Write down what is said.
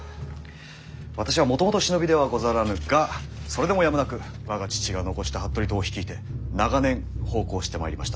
私はもともと忍びではござらぬがそれでもやむなく我が父が残した服部党を率いて長年奉公をしてまいりました。